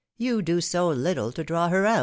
You do so little to draw her out."